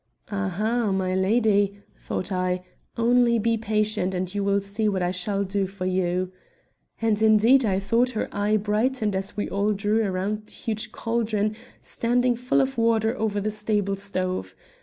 "Ah, ha! my lady," thought I, "only be patient and you will see what I shall do for you." And indeed I thought her eye brightened as we all drew up around the huge caldron standing full of water over the stable stove.